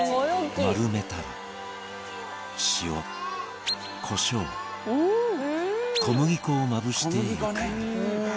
丸めたら、塩、コショウ小麦粉をまぶしていくバカリズム：小麦粉ね。